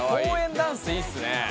ダンスいいっすね。